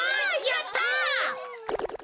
やった！